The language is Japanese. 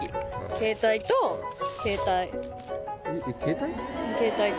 携帯と携帯。